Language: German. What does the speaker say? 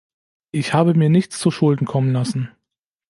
Ich habe mir nichts zu Schulden kommen lassen.